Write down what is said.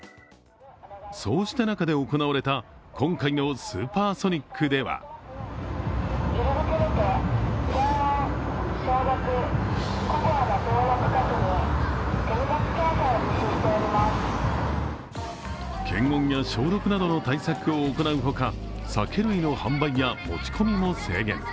そうした中で行われた今回のＳＵＰＥＲＳＯＮＩＣでは検温や消毒などの対策を行うほか酒類の販売や持ち込みも制限。